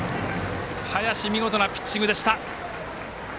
林、見事なピッチングでした。